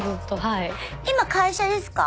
今会社ですか？